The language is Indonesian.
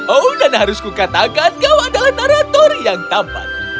oh dan harus kukatakan kau adalah naratori yang tampak